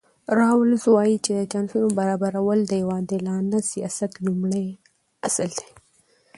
راولز وایي چې د چانسونو برابرول د یو عادلانه سیاست لومړی اصل دی.